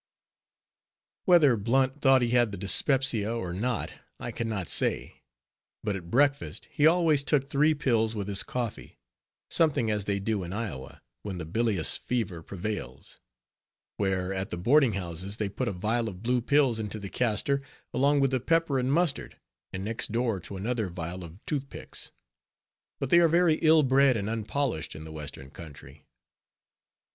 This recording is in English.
Whether Blunt thought he had the dyspepsia or not, I can not say; but at breakfast, he always took three pills with his coffee; something as they do in Iowa, when the bilious fever prevails; where, at the boarding houses, they put a vial of blue pills into the castor, along with the pepper and mustard, and next door to another vial of toothpicks. But they are very ill bred and unpolished in the western country.